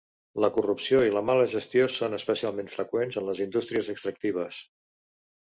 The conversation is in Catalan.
La corrupció i la mala gestió són especialment freqüents en les indústries extractives.